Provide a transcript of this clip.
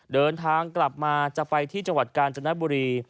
เดินทางกลับมาจะไปที่จังหวัดกาญจนบุรี